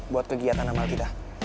buat kegiatan amal kita